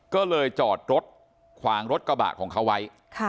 ก็เลยจอดรถขวางรถกระบะของเขาไว้